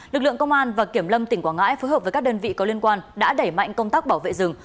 lực lượng công an và kiểm lâm tỉnh quảng ngãi phối hợp với các đơn vị có liên quan đã đẩy mạnh công tác bảo vệ rừng